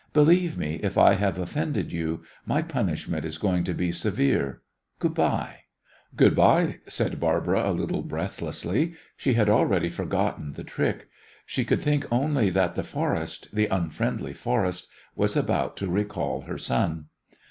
Believe me, if I have offended you, my punishment is going to be severe. Good by." "Good by," said Barbara, a little breathlessly. She had already forgotten the trick. She could think only that the forest, the unfriendly forest, was about to recall her son.